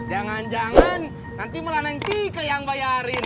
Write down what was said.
jangan jangan nanti melahan yang tika yang bayarin